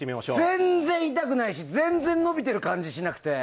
全然痛くないし全然伸びてる感じがしなくて。